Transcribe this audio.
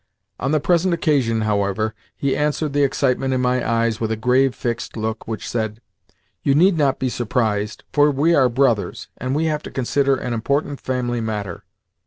On the present occasion, however, he answered the excitement in my eyes with a grave, fixed look which said: "You need not be surprised, for we are brothers, and we have to consider an important family matter."